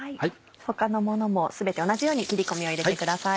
他のものも全て同じように切り込みを入れてください。